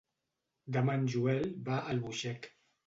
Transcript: Demà en Joel va a Albuixec.